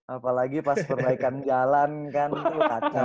apalagi pas perbaikan jalan kan kacau